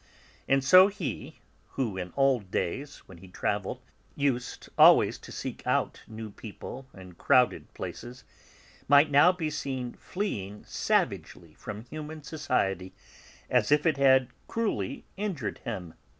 And so he, who, in old days, when he travelled, used always to seek out new people and crowded places, might now be seen fleeing savagely from human society as if it had cruelly injured him.